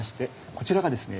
こちらがですね